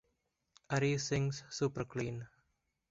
Ari sings super clean.